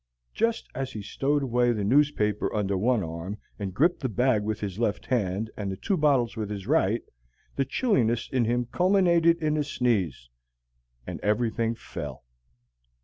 Just as he had stowed away the newspaper under one arm and gripped the bag with his left hand and the two bottles with his right, the chilliness in him culminated in a sneeze, and everything fell.